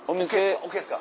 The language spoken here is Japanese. ＯＫですか？